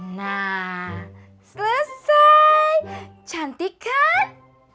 nah selesai cantik kan